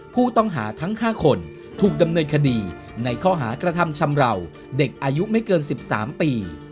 ผู้ต้องหาทั้ง๕คนถูกดำเนินคดีในข้อหากระทำชำราวเด็กอายุไม่เกิน๑๓ปี